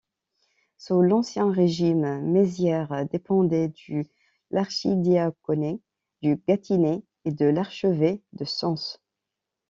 Sous l'Ancien Régime, Mézières dépendait de l'archidiaconé du Gâtinais et de l'archevêché de Sens.